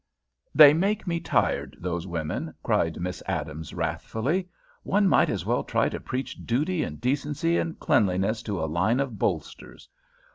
"They make me tired, those women," cried Miss Adams, wrathfully. "One might as well try to preach duty and decency and cleanliness to a line of bolsters.